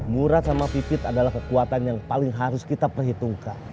murad sama pipit adalah kekuatan yang paling harus kita perhitungkan